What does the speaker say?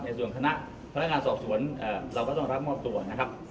ส่วนคณะพนักงานสอบสวนเราก็ต้องรับมอบตัวนะครับ